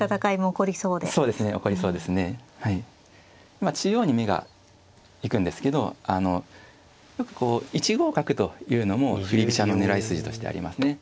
今中央に目が行くんですけどよくこう１五角というのも振り飛車の狙い筋としてありますね。